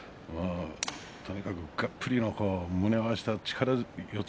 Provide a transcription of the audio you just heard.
とにかく、がっぷりの胸を合わせた力強い四つ